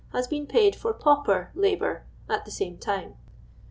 has been paid for pauper labour at the same time.